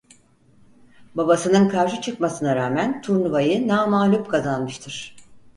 Babasının karşı çıkmasına rağmen turnuvayı namağlup kazanmıştır.